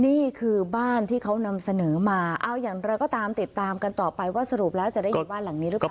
นี่คือบ้านที่เขานำเสนอมาเอาอย่างไรก็ตามติดตามกันต่อไปว่าสรุปแล้วจะได้อยู่บ้านหลังนี้หรือเปล่า